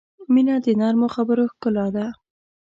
• مینه د نرمو خبرو ښکلا ده.